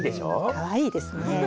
かわいいですね。